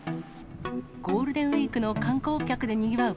ゴールデンウィークの観光客でにぎわう